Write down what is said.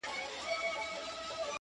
• ورور له کلي لرې کيږي ډېر,